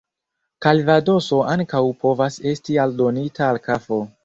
Kalvadoso ankaŭ povas esti aldonita al kafo.